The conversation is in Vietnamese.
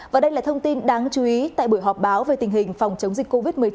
và đây là thông tin đáng chú ý tại buổi họp báo về tình hình phòng chống dịch covid một mươi chín